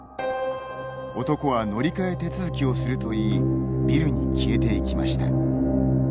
男は乗り換え手続きをすると言いビルに消えていきました。